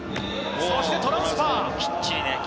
そしてトランスファー。